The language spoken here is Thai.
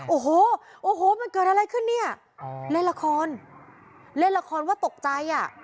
โอ้โหโอ้โหมันเกิดอะไรขึ้นเนี่ยเล่นละครเล่นละครว่าตกใจอ่ะ